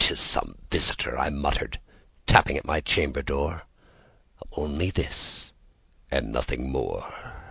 "'T is some visitor," I muttered, "tapping at my chamber door; Only this and nothing more."